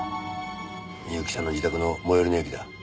深雪さんの自宅の最寄りの駅だ。